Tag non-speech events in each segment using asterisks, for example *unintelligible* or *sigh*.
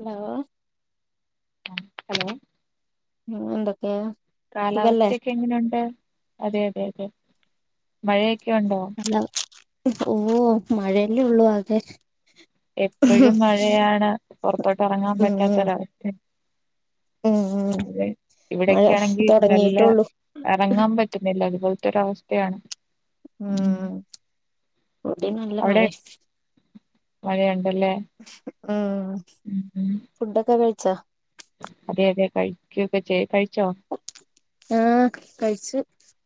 Hello hello മ് ന്തൊക്കെയാ. കാലവസ്ഥേക്കങ്ങനുണ്ട്. അതെ അതെ അതെ. മഴേ ക്കെയൊണ്ടോ ഊ മഴന്നെയുള്ളു അതെ. എപ്പോഴും മഴയാണ് പുൊറത്തോട്ട് ഇറങ്ങാൻ ഉം പറ്റാത്തൊരവസ്ഥ ഉം ഉം അതെ മഴ ഇവിടെൊക്കെ ആണെങ്കിൽ നല്ല തൊടങ്ങിട്ടൊള്ളൂ എറങ്ങാൻ പറ്റുന്നില്ല അതുപോലെ രൊവസ്ഥയാണ് ഉം ടിം നല്ല അവിടെ മഴെ മഴയുണ്ടല്ലേ ഉം ഉം ഉം ഫുഡൊക്കെ കഴി ച്ച അതെ അതെ കഴിക്കൊക്കെ ചെയ് കഴിച്ചോ ആഹ കഴിച്ചു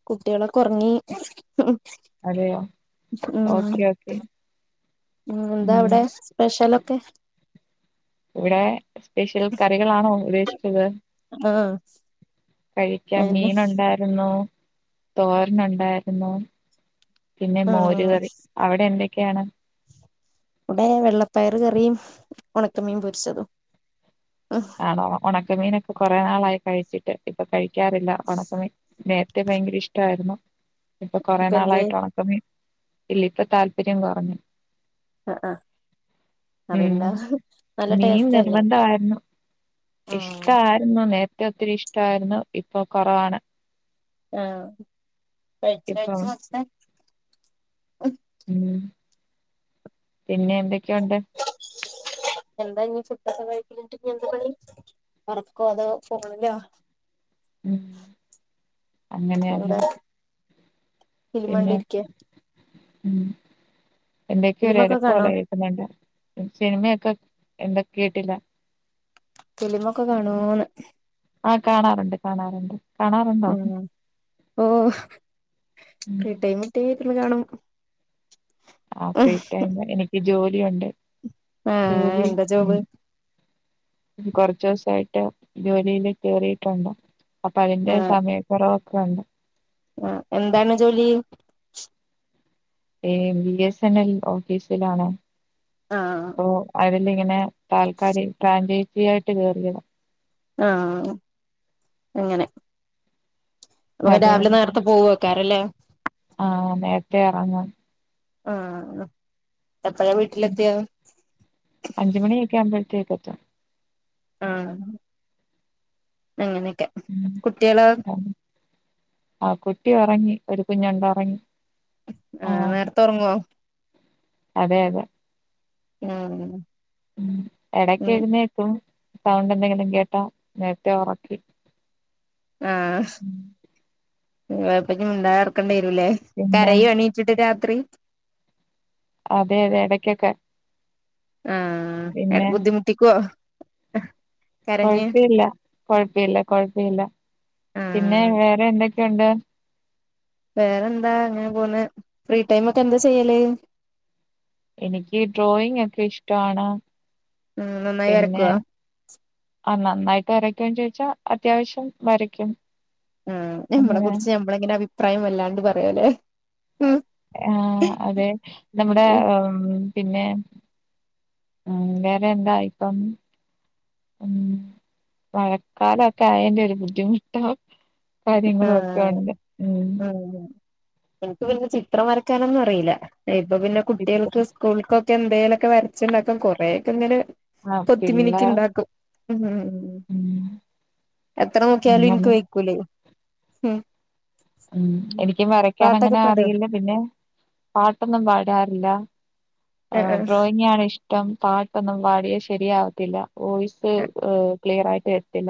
കുട്ടികളൊക്കെ ഉറങ്ങി ഉ അതെയോ ഉ ഓക്കെ ഓക്കെ ഉം എന്താവിടെ സ്പെഷ്യൽൊക്കെ ഇവിടെ സ്പെഷ്യൽ കറികളാണോ ഉപശിച്ചത് ആഹ് കഴിക്കാ അതന്നെ മീൻ ഉണ്ടായിരുന്നു തോരന്നുണ്ടായിരുന്നു ആ ഇവിടെ വെള്ളപ്പയറ് കറിയും ഉണക്ക് മീൻ പൊരിച്ചതും ആണ ഒണക്ക ക്ക മീനൊക്കെ കൊറെ നാളായി കഴിച്ചിട്ട് ഇപ്പൊ കഴ ക്കാറില്ല ഉണക്കമ നേരത്തെ ഭയങ്കര ഇഷ്ടമായിരുന്നു ഇപ്പൊ കൊറെേ ഇപ്പ എന്തേ നാളായിട്ട് ഉണക്ക മീ ഇല്ല ഇപ്പൊ താല്പര്യം കുറഞ്ഞു ആ ആ ഉം അതെന്താ നല്ല ടേസ്റ്റ് അല്ലേ ഉം ഇഷ്ട ആരുന്നു നേരത്തെ ഒത്തിരി ഇഷ്ടായിരുന്നു ഇപ്പൊ കൊറവാണ് ആഹ് കഴിച്ച് ഇപ്പം കഴിച്ച് വസ്തെ ഓ ഉം പിന്നെ എന്തൊക്കെയുണ്ട് എന്താ ഇനി ചുട്ടത്തെ വഴക്കിട്ട് ഇ എന്താ പണി ഉറക്കോ അതോ ഫോണിലോ? ഉം അങ്ങനെയല്ലെ ഇളിമാണ്ടിരിക്കാ ഉം എന്തൊക്കെയോ ഒരെരപ്പ് പോല കാണോ കേക്കുന്നുണ്ട് സിനിമയൊക്കെ എന്താ കേട്ടില്ല. ഫിലിമൊക്കെ കാണോന്ന് ആ കാണാറുണ്ട് കാണാറുണ്ട് കാണാറുണ്ടോ ഉം ഓ ഫ്രീ ഉം ടൈമിട്ടി ഇര്ന്ന് കാണും ആ ഫ്രീടൈമ് എനിക്ക് ജോലി ചെയ്യാണ്ടേ ആഹ് എന്ത ജോബ് കൊറച്ചുസായിട്ട് ജോലിയില് കേറിട്ടുണ്ട് അപ്പൊ അതിന്റെ സമയക്കുറവ് വ്ണ്ട് ആ എന്താണ് ജോലി ഏ ബി എസ് എൻ എൽ ഓഫീസിലാണ് ആഹ് ഓ അര് ഇങ്ങനെ താൽക്കാലി ഫ്രാഞ്ചൈസിയായിട്ട് കേറിയത ആ അങ്ങനെ അപ്പൊപിന്നെ അതെ രാവിലെ അതെ നേരത്തെ പോവേക്കാരല്ലേ ആ നേരത്തെ എറങ്ങും ആഹ് എപ്പഴാ വീട്ടിലെത്തിയാ പറ്റ ആഹ് അങ്ങനെയൊക്കെ ഉം കുട്ടിയേളോ? അതെ. ആ കുട്ടി ഒറങ്ങി ഒരു കുഞ്ഞുണ്ട് ഒറങ്ങി. ആ നേരത്തെ ഒർങ്ങോ? അതെ അതെ. ആ. ഉം എടക്ക് എഴ്ന്നേക്കും. സൗണ്ട് എന്തെങ്കിലും കേട്ടാ നേരത്തെ ഒറക്കി. ഉം. *unintelligible* ല്ലേ പിന്നെ കരയോ എണീറ്റിട്ട് രാ ത്രീ അതെ അതെ എടക്കൊക്കെ ആ എട് ബുദ്ധിമുട്ടിക്കോ? അഹ് കുഴപ്പില്ല കുഴപ്പില്ല കൊഴിപ്പില്ല, പിന്നെ ആഹ് വേറെ എ ഉണ്ട്. വേറന്താ അങ്ങനെ പോവുന്ന് ഫ്രീ ടൈമൊക്കെ എന്ത ചെയ്യല് എനിക്ക് ഡ്രോയിംഗ് ഒക്കെ ഇഷ്ട്ടവാണ്. ഉം നന്നായി വരക്കുവോ? ആഹ് നന്നായിട്ട് വരക്കുവോന്ന് ചോദിച്ചാ അത്യാവശ്യം വരക്കും. ആഹ് ഞമ്മളെ കുറിച്ച് ഞമ്മളിങ്ങനെ അഭിപ്രായം പ്രായം വല്ലാണ്ട് പറയോ ല്ലേ ആഹ് അതെ നമ്മടെ ഏഹ് പിന്നെ വേറെയെന്താ ഇപ്പം, ഉം മഴക്കാലം ഒക്കെ ആയതിൻ്റെ ഒരു ബുദ്ധിമുട്ടാ കാര്യങ്ങളും ഒക്കെ ഒണ്ട് ഉം എനക്ക് പിന്നെ ചിത്രം വരക്കാൻ ഒന്നും അറിയില്ല. ഏ ഇപ്പ പിന്നെ കുട്ടിയേൾക്ക് ചിത്രം സ്‌കൂൾക്ക് ഒക്കെ എന്തേലു ക്കെ വരച്ച്ണ്ടാക്കാൻ കൊറെയെക്കെ ഇങ്ങനെ ആ കൊത്തി മിനുക്കി പിള്ളേർ ഇണ്ടാക്കും, ഉം ഉം എത്ര നോക്കിയാലും അങ്ങനെ ഇനിക്ക് വയ്ക്കൂലേ ഉം എനിക്കും വരക്കാൻ പാട്ടൊക്കെ അങ്ങനെ പാടോ അറിയില്ല പിന്നെ പാട്ടൊന്നും പാടാറില്ല. ആ ആഹ് ഡ്രോയിങ് ആണ് ഇഷ് ഇം പാട്ടൊന്നും പാടിയ ശരിയാവത്തില്ല വോയിസ് ക്ലിയർ ആയിട്ട് എരത്തില്ല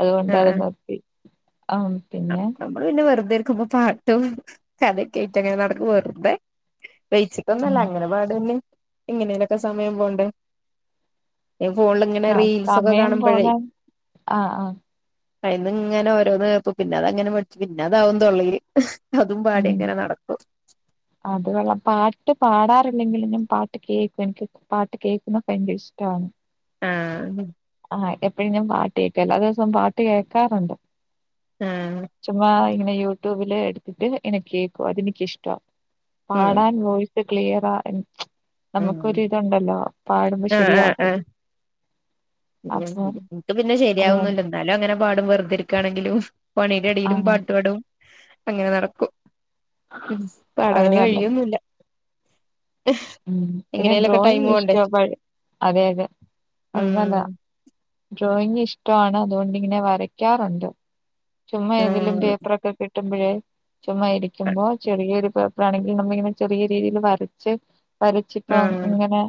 അതുകൊണ്ട് ആഹ് അത് ആഹ് നിർത്തി. ആ പിന്നെ നമ്മള് പിന്നെ വെറുതെ നക്കു *unintelligible* മ്പ പാട്ടും കഥയൊക്കെ ആയിട്ട് ഇങ്ങനെ നടക്കും വെറുതെ ലയിച്ചിട്ടൊന്നും അല്ല ഉം, അങ്ങനെ പാടന്നെ ഇങ്ങനെലൊക്കെ സമയം പോവണ്ടേ ഫോണിൽ ഇങ്ങനെ ആ റീൽസ് ഒക്കെ സമയം കാണുമ്പോഴേ പോകാൻ ആ ആ അയിന്ന് ഇങ്ങനെ ഓരോന്ന് കേക്കും പിന്നെ അത് അങ്ങനെ പഠിച്ചു പിന്നെ അതാവും തൊള്ളയില് അതും പാടി ഉം എങ്ങനെ നടക്കും *inaudible* അത് കൊള്ളാം പാട്ട് പാടാറില്ലെങ്കിലും ഞാൻ പാട്ട് കേൾക്കും എനിക്ക് പാട്ട് കേക്കുന്നൊക്കെ ഭയങ്കര ഇഷ്ടമാണ് ആഹ് ആ എപ്പഴും ഞാൻ പാട്ട് കേക്കും എല്ലാ ദിവസവും പാട്ട് കേൾക്കാറുണ്ട് ആഹ് ചുമ്മാതെ പറയ് - യൂട്യൂബില് എടുത്തിട്ട് ഇങ്ങനെ കേൾക്കും അത് എനിക്ക് ഇഷ്ടവാ ഉം പാടാൻ പോയി പ്പ ക്ലിയറാ *unintelligible* ഉം നമുക്കൊര് ഇതുണ്ടല്ലോ പാടുമ്പോ ശരിയാവാത്തത് ഉ ഇന്നിട്ടും പിന്നെ അതുകൊണ്ട് ശരിയാവൊന്നില്ല എന്നാലും അങ്ങനെ പാടും വെറുതിരിക്കാണെങ്കിലും പണിടെടേലും ആഹ് പാട്ടുപാടും അങ്ങനെ നടക്കും. ഉം അത് പാടാന് നല്ലത് കഴിയൊന്നുല്ല. ഉം പിന്നെ എങ്ങനെലൊക്കെ ഡ്രോയിങ് ടൈം പോണ്ടേ *unintelligible* അതെ അതെ അത് നല്ലതാ. ഉം ഡ്രോയിങ്ങ് ഇഷ്ട ആണ് അതുകൊണ്ടിങ്ങനെ വരയ്ക്കാറുണ്ട്. ചുമ്മാ ഏതേലും ഉം പേപ്പറൊക്കെ കിട്ട കിട്ട്മ്പഴേ ചുമ്മാ ഇരിക്കുമ്പോ ചെറിയൊരു പേ ആണെങ്കിൽ നമ്മ ഇങ്ങനെ ചെറിയ രീതിയിൽ വരച്ച് വരച്ചിപ്പ ആഹ് ഇങ്ങനെ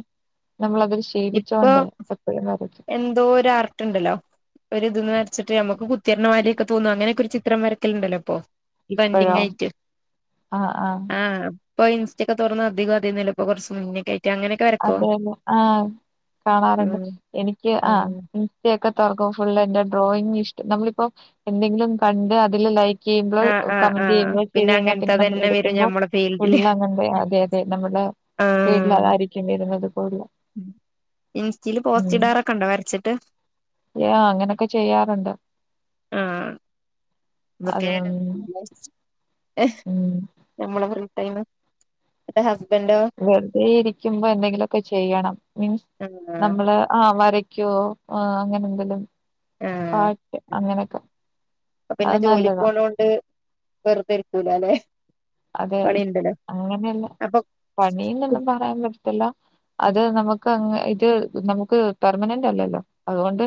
നമ്മളതൊരു ഇപ്പൊ ശീലിച്ചോണ്ട് എപ്പഴും വരക്കും എന്തോ ഒരു ആർട്ട്ണ്ടല്ലോ ഒരു ഇത ച്ചട്ട് നമുക്ക് കുത്തിരറിണമാരിയൊക്ക തോന്ന അങ്ങനൊക്കൊരു ചിത്രം വരക്കലണ്ടല്ലപ്പോ. ഇപ്പഴോ ആ ആ. ഇപ്പ ഇസ്റ്റക്കെ തുറന്ന് അധികം അതി നിലപ്പോ കൊറച്ച് മുന്നേക്കായിട്ട് അതേല്ല ആ കാണാറുണ്ട് ഉം എനിക്ക് ആ ഉം ഇൻസ്റ്റേക്ക തൊറക്കുമ്പ ഫുൾ എന്റെ ഡ്രോയിംഗ് ഇഷ്ട നമ്മളിപ്പോ എന്തെങ്കിലും കണ്ട് അതില് ലൈ ക്കെയുമ്പള് ആഹ് എ് ആഹ് കമന്റ് ആഹ് ചെയ്യുമ്പോ ചെയ്തു കഴിഞ്ഞാ പിന്നെ അങ്ങനത്തെ നമ്മൾ തന്നെ വരും എടുക്കുമ്പോ ഞമ്മളെ ഫീൽഡില് ഉള്ളങ്ങ അതെ അതെ നമ്മൾട വീട്ടിൽ അതാരി വരുന്നതും ഇൻസ്റ്റില് പോസ്റ്റ് ഉം ഇടാറൊക്കെ ഉണ്ടോ വരച്ചിട്ട് യാ അങ്ങനൊക്കെ ചെയ്യാറുണ്ട് ആ ബൊക്കെ അത് ഉം എഹ് ഉം നമ്മള പറഞ്ഞു ടൈമ് അട്ടഹാസ് വെറുതെ ഇരിക്കുമ്പോ എന്തെങ്കിലൊക്കെ ചെയ്യണം മീൻസ് ആഹ് നമ്മളെ ആ വരയ് ക്ക്‌യോ ആ അങ്ങനെന്തിലും ആഹ് അ അപ്പ പിന്നെ അത് ജോലിക്ക് നല്ലതാ പോണകൊണ്ട് വെറുതെ ഇരിക്കൂലല്ലെ അതെ പണിണ്ടല്ലോ അങ്ങനെയല്ല അപ്പൊ പണിന്നൊന്നും പറയാൻ പറ്റത്തില്ല ഇത് നമുക്കങ്ങ് ഇത് നമ്മുക്ക് പെർമനന്റ് അല്ലല്ലോ അതുകൊണ്ട്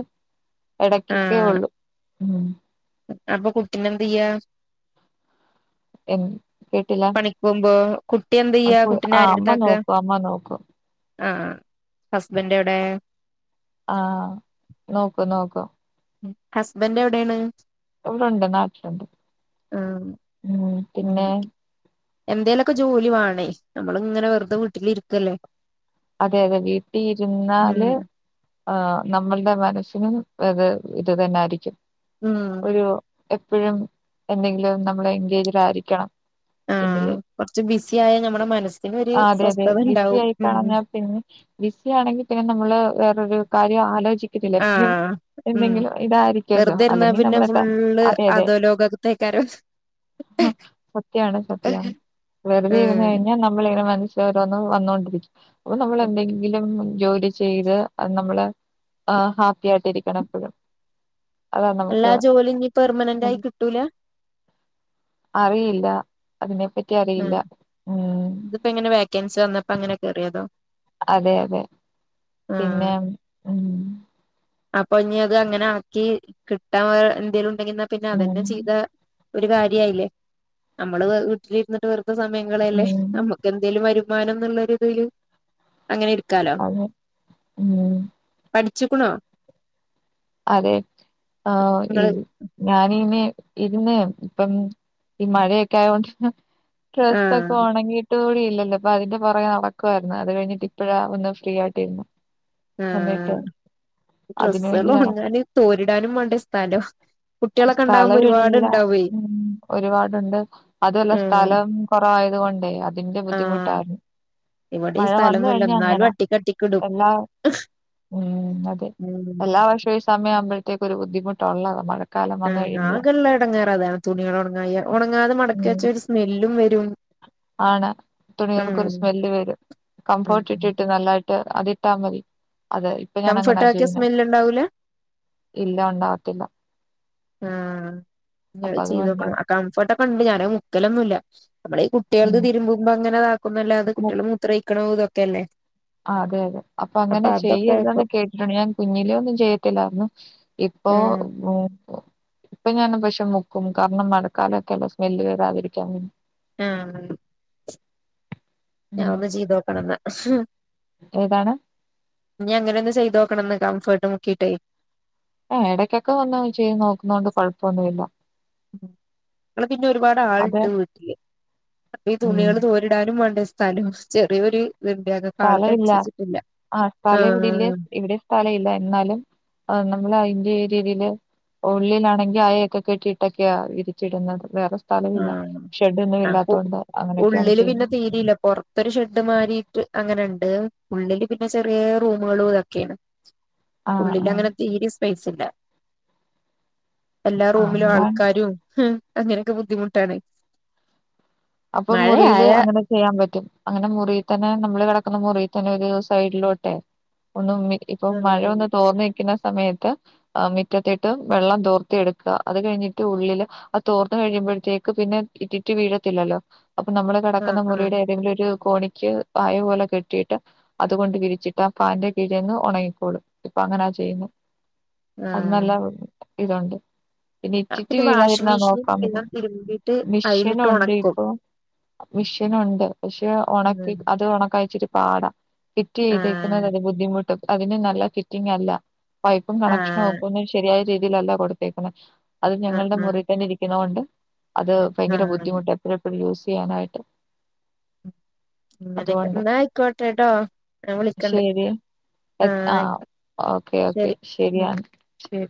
എടക്കൊക്കെ ആഹ് ഒള്ളൂ ഉമ് അപ്പൊ കുട്ടി നെ എന്ത് ചെയ്യാ എൻ കേട്ടില്ല പണിക്ക് പോകുമ്പോ കുട്ടിയെ എന്ത് ചെയ്യ അക്കു കുട്ടിനെ ആ ആരുടെടുത്ത അമ്മ കത്താക്ക നോക്കും അമ്മ നോക്കും ആഹ ഹസ്ബൻഡ് എവിടെ ആഹ് നോക്കും നോക്കും ഹസ്ബൻഡ് എവിടെയാണ് ഇവിടുണ്ട് നാട്ടിലുണ്ട് ആഹ് മ് പിന്നെ ക്കെ ജോലിവെണേ നമ്മള ഇങ്ങനെ വെറുതെ വീട്ടിലിരിക്കല്ലേ അതെ അതെ വീട്ടിൽ ഇരുന്നാല് ഉം ആ നമ്മളുടെ മനസ്സിന് അത് ഇത് തന്നരിക്കും ഉമ് എപ്പോഴും എന്തെങ്കിലും നമ്മള് എൻഗേജിഡ് ആയിരിക്കണം ആഹ് ഇതില് കൊറച്ച് ബിസി ആായ ഞമ്മടെ മനസ്സിനൊരു ആഹ് അതെ അതെ സ്വസ്ഥത ബിസി ഉണ്ടാവും ആയി ഉമ് മ് മ് കളഞ്ഞാ പിന്നെ വിസിയാണെങ്കിൽ പിന്നെ നമ്മള് വേരൊരു കാര്യം ആലോചി- ആഹ് ഉം എന്തെങ്കിലും ഇതായിരിക്കുമല്ലോ വെറുതെ ഇരുന്നാ അല്ലെങ്കിൽ പിന്നെ നമ്മള ഫുള്ള് അതെ അതെ അധോലോകത്തേക്കാരം സത്യാണ് സത്യാണ് വെറുതെ ഇന്ന് ഉം കഴിഞ്ഞാൽ നമ്മളിങ്ങനെ മനസ് ഓരോന്ന് വന്നോണ്ടിരിക്കും അപ്പൊ നമ്മളെന്തെങ്കിലും ജോലി ചെയ്ത് നമ്മള് ആഹ് ഹാപ്പി ആയിട്ടിരിക്കണം എപ്പോഴും ഉള്ള ജോലി ഇനി പെർമനന്റ് ആയി കിട്ടൂല അതിനെ ഹ ഇതിപ്പോ എങ്ങനെ വേക്കൻസി വന്നപ്പോ അങ്ങനെ കയറിയതാ അതെ അതെ ആഹ് പിന്നെ ഉമ് അപ്പൊ ഇനി അത് അങ്ങനെ ആക്കി കിട്ടാൻ എന്തെങ്കലും *unintelligible* പിന്നെ അതന്നെ ഉം ചെയ്ത ഒരു കാര്യയില്ലെ നമ്മള് വീട്ടിലിരുന്നിട്ട് വെറു- ഇപ്പോ സമയങ്ങളല്ലേ ഉം നമ്മുക്കെന്തേലും വരു- മാനന്നൊള്ള രീതില് അങ്ങനെ ഇരിക്കാലോ അതെ ഉം പഠി- ചിക്കുണോ *unintelligible* അതെ ആഹ ഇ നിങ്ങള് ഞാനെനി ഇരുന്ന് ഇപ്പം ഈ മഴയൊക്കെ ആയൊണ്ട് ഡ്രസ്സ് ഒക്കെ ആഹ് ഒണങ്ങിയിട്ട്കൂടി ഇല്ലല്ല അപ്പ അതിന്റെ പുറകേ നടക്കുമായിരുന്നു അത് കഴിഞ്ഞിട്ട് ഇപ്പഴാ ഒന്ന് ഫ്രീ ആയിട്ടിരുന്ന ആഹ അതിന് ഡ്രസ്സ് വേണ്ടി നടക്കാം അയിന് തോരിടാനും വേണ്ട ഇ സ്ഥലം കുട്ടികളൊക്കെ ഉണ്ടാവുമ്പോ സ്ഥലവില്ല ഒരുപാട്ണ്ടാവേ ഉം ഒരുപാടുണ്ട് ആഹ തു കൊണ്ടേ അതിന്റെ ബുദ്ധിമുട്ടായിരുന്നു ഇവിടെ ഈ മഴ വന്ന സ്ഥലൊന്നുല്ല കഴിഞ്ഞ എന്നാലും അങ്ങനാ അട്ടിക്കട്ടിക്കിടും എല്ലാ ഉ അതെ എല്ലാ ഉം വർഷവും സമയ ആവുമ്പോഴേത്തെക്ക് ഒരു ബുദ്ധിമുട്ടുള്ളള്ളത മഴ ആ ആകെള്ള ഇടങ്ങാറ്താണ് തുണികൾ ഉണങ്ങാ ഉണങ്ങാതെ മടക്കി ഉം വച്ച ഒരു സ്മെല്ലും വരും ആണ് തുണികൾക്കരു ഉം സ്മെല്ല് വരും ഉം കംഫർട്ട് ഇട്ടിട്ട് നല്ലട അത് ഇട്ടാ മതി അതെ ഇപ്പൊ ഞാൻ കംഫർട്ട് അങ്ങനാ ആക്കിയ ചെയ്യുന്നത് സ്മെല്ല് ഉണ്ടാവൂല ഇല്ല ഉണ്ടാവത്തില്ല ആഹ അപ്പൊ ചെയ്ത് അതുകൊണ്ട് നോക്കണം ആ കംഫേർട്ട് ഇവടണ്ട് ഞാൻ മുക്കലൊന്നുല്ല നമ്മള് ഈ കുട്ടികൾത് ഉം തിരുമ്പുമ്പോ അങ്ങനെതാക്കുന്നു അല്ലാെ കുട്ടികൾ മൂത്രക്കണോ ഇത ക്കല്ലെ അതെ അതെ അപ്പൊ അങ്ങനെ ചെയ്യരുതന്ന് ആക്കും കേട്ടിട്ടുണ്ട് ഞാൻ കുഞ്ഞിലേ ഒന്നും ചെയ്യത്തില്ലായിരുന്നു ഇപ്പൊ ഉം ഇപ്പൊ ഞാൻ പക്ഷെ മുക്കും കാരണം മഴക്കാലൊക്കെല്ലേ സ്മെല്ല് വരാതിരിക്കാൻ വേ ആ ഞാൻ ഉം ഒന്ന് ചെയ്തോക്കണന്നാ ഏതാണ് ഇഞ്ഞ്ങ്ങനോന്ന് ചെയ്തോക്കണന്ന് കംഫേർട്ട് മുക്കിട്ടെ ആ ഇടയ്ക്കൊക്കെ വന്നാ ചെയ്ത് നോക്കുന്നോണ്ട് കൊഴപ്പോന്നുല്ല *unintelligible* പിന്നെ ഒര്പാട് അത് ആള്ണ്ട് വീട്ട്ല് അപ്പൊ ഈ ഉം തുണ്യള് തോരിടാനും വേണ്ടേ സ് സ്ഥലം ചെറിയൊര് സ്ഥല ഇല്ല ആ സ്ഥലം ഇവിടെല്ല ആഹ് ഇവിടെ സ്ഥല ഇല്ല എന്നാലും നമ്മള് അയ് *unintelligible* രീതിയില് ഉള്ളിലാണെങ്കി അയക്കെ കെട്ടിയിട്ടൊക്കെയ വിരിച്ചിട്ന്നത് വേറെ സ് ആ അപ്പൊ അങ്ങനെയൊക്കെയാണ് ഉള്ളില് പിന്നെ ചെയ്യുന്നത് തീരില്ല പൊറത്തൊരു ഷെഡ് മാരിട്ട് അങ്ങനെണ്ട് ഉള്ളില് പിന്നെ ചെറിയ റൂമുകളുതൊക്കെയാണ് ആ ഉള്ളില് ആ അങ്ങനെ തീരെ സ്പൈസ് ല്ലാ എല്ലാ റൂമിലും അങ്ങനാണ് ആൾക്കാരും അങ്ങനെ ക്ക് ബുദ്ധിമുട്ടാണ് അപ്പൊ മുറില് മഴയായ അങ്ങനെ ചെയ്യാൻ പറ്റും അങ്ങനെ മുറ് റി തന്നെ നമ്മള് കിടക്കുന്ന മുറിത്തന്നെ ഒരു സൈഡിലോട്ടെ ഒന്ന് ഉമ്മി ഇപ്പൊ ആഹ് മഴയൊന്ന് തോറ്ന്നിക്ക്ന്ന സമയത്ത് മിറ്റത്തിട്ട് വെള്ളം തോർത്തി എട്ക്കാ അത് കഴിഞ്ഞിട്ട് ഉള്ളില് അത് തോർന്ന് കഴിയുമ്പോഴത്തേക്ക് പിന്നെ ഇറ്റിറ്റ് വീഴത്തില്ലല്ലോ അപ്പൊ നമ്മള് ആഹ് കേടക്ക്ന്ന ആഹ് മുറിയുടെ ഏതെങ്കിലും ഒരു കോണിക്ക് അയ പോലെ കെട്ടിയിട്ട് അതുകൊണ്ട് വിരിച്ചിട്ട് ആ ഫാന്റെ കീഴിൽന്ന് ഒണങ്ങിക്കോളും. ഇപ്പങ്ങനാ ചെയ്യുന്നെ ആഹ് അന്നല്ലാ *unintelligible* ഇതുണ്ട് ഇറ്റിറ്റ് പിന്നെ വാഷിംഗ് വീഴാതിരുന്നാ മെഷീൻ നോക്കാൻ എല്ലാം പറ്റും. തിരുമ്പിട്ട് അയിലിട്ട് ഒണക്കും ഇപ്പൊ മിഷ്യനുണ്ട് പക്ഷെ ഒണക്കി ഉം അത് ഒണക്കാ ഇച്ചിരി പാട ഇറ്റി *unintelligible* ക്കുന്നത് ആഹ് ഒര് ബുദ്ധിമുട്ടും അതിന് നല്ല ഫിറ്റിങ് അല്ല പൈപ്പും കണക്ഷനും ആഹ് ഒക്കെ ഒന്ന് ശരിയായി രീതിയിലല്ല കൊടുത്തേക്ക്ണേ അത് ആഹ് ഞങ്ങളുടെ മുറിയിൽ തന്നെ ഇരിക്കുന്തൊണ്ട് അത് ആഹ് ഭയങ്കര ആഹ് ബുദ്ധിമുട്ടാ എപ്പയും യൂസ് ചെയ്യാനായിട്ട് അങ്ങനെക്കേ അതുകൊണ്ട് എന്നാ ആയ്ക്കോട്ടെ ട്ടോ ഞാൻ വിളിക്കണ്ട് ശരി എ ആ ആഹ് ആയിക്കോട്ടെ ഓക്കെ ഓക്കെ ശരി ശരിയാണ് ശരി